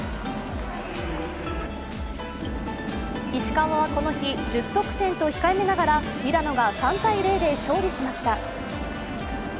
石川はこの日、１０得点と控えめながらミラノが３−０で勝利しました。